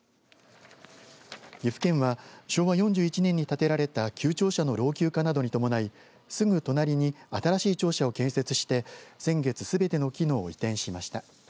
岐阜県は昭和４１年に建てられた旧庁舎の老朽化などにともないすぐ隣に新しい庁舎を建設して先月、すべての機能を移転しました。